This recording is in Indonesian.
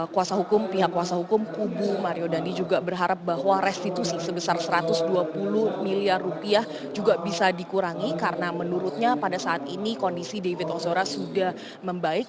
kuasa hukum pihak kuasa hukum kubu mario dandi juga berharap bahwa restitusi sebesar satu ratus dua puluh miliar rupiah juga bisa dikurangi karena menurutnya pada saat ini kondisi david ozora sudah membaik